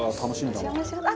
お邪魔します。